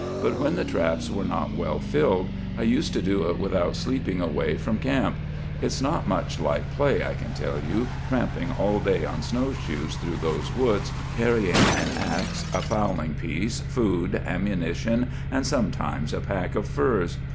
But when the traps were not well filled, I used to do it without sleeping away from camp. It's not much like play, I can tell you, tramping all day on snow shoes through those woods, carrying an axe, a fowling piece, food, ammunition, and sometimes a pack of furs.